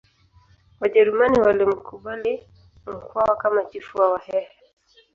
Wajerumani walimkubali Mkwawa kama chifu wa Wahehe